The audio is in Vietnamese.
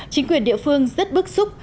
chính quyền địa phương rất bức xúc